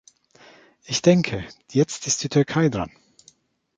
Ich denke, jetzt ist die Türkei dran.